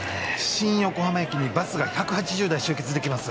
新横浜駅にバスが１８０台集結できます